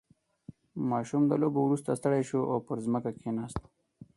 • ماشوم د لوبو وروسته ستړی شو او پر ځمکه کښېناست.